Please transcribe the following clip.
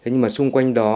nhưng mà xung quanh đó